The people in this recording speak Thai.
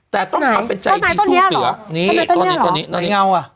แต่ต้องขับเป็นใจที่สู้เสือตอนนี้ตอนนี้ตอนนี้ตอนนี้ไหนเงาอ่ะ